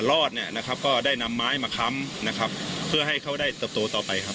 รอดเนี่ยนะครับก็ได้นำไม้มาค้ำนะครับเพื่อให้เขาได้เติบโตต่อไปครับ